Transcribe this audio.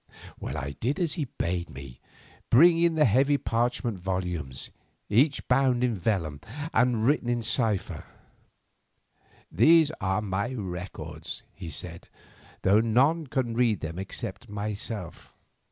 I did as he bade me, bringing the heavy parchment volumes, each bound in vellum and written in cipher. "These are my records," he said, "though none can read them except myself.